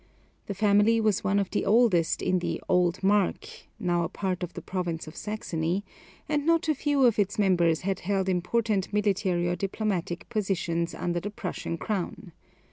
The family was one of the oldest in the "Old Mark" (now a part of the province of Saxony), and not a few of its members had held important military or diplomatic positions under the Prussian crown.